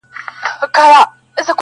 پلار د شپې بې خوبه وي-